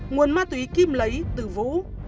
nguồn ma túy kim lấy từ vũ